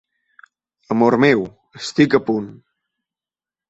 Amor meu, estic a punt!